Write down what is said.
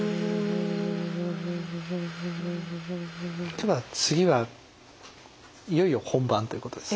では次はいよいよ本番ということです。